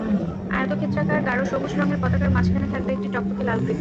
আয়তক্ষেত্রাকার গাঢ় সবুজ রঙের পতাকার মাঝখানে থাকবে একটি টকটকে লাল বৃত্ত।